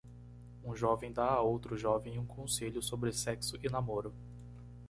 Um jovem dá a outro jovem um conselho sobre sexo e namoro.